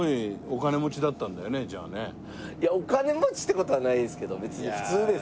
いやお金持ちって事はないですけど別に普通です。